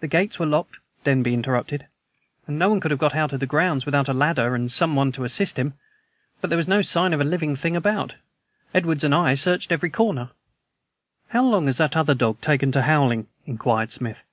"The gates were locked," Denby interrupted, "and no one could have got out of the grounds without a ladder and someone to assist him. But there was no sign of a living thing about. Edwards and I searched every corner." "How long has that other dog taken to howling?" inquired Smith.